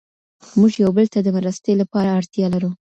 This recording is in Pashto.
موږ یو بل ته د مرستې لپاره اړتیا لرو.